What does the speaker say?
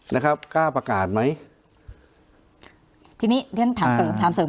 นะครับกล้าประกาศไหมที่นี่ท่านถามเสริม